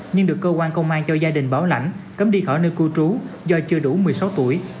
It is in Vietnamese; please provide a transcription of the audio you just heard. nhưng được cơ quan công an cho gia đình bảo lãnh cấm đi khỏi nơi cư trú do chưa đủ một mươi sáu tuổi